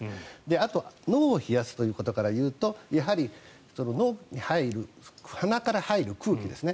あと脳を冷やすというところから言うとやはり鼻から入る空気ですね。